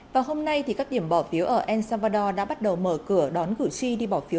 vào hôm nay các điểm bỏ phiếu ở el salvador đã bắt đầu mở cửa đón gửi suy đi bỏ phiếu